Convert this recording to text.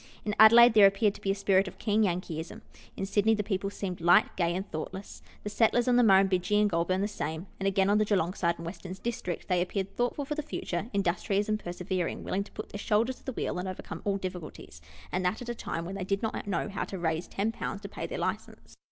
In Adelaide, there appeared to be a spirit of keen Yankeeism ; in Sydney, the people seemed light, gay, and thoughtless ; the settlers on the Murrum bidgee and Goulburn, the same ; and again, on the G eelong side and Western District, they appeared thoughtful for the future industrious and persevering, willing to put their shoulder to the wheel and overcome all difficulties, and that at a time when they did not know how to raise 10 to pay their license.